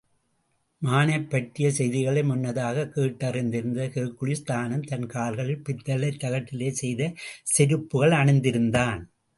மானைப்பற்றிய செய்திகளை முன்னதாகக் கேட்டறிந்திருந்த ஹெர்க்குலிஸ் தானும் தன் கால்களில் பித்தளைத் தகட்டிலே செய்த செருப்புகள் அணிந்திருந்தான்.